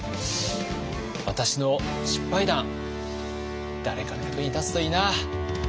私の失敗談誰かの役に立つといいな。